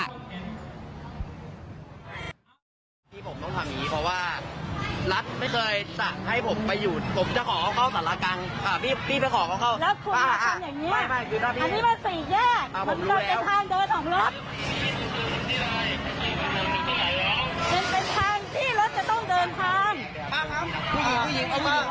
สำหรับการเคลื่อนขบวนวันนี้นะคะได้มีการนัดรมตัวกันที่ถนน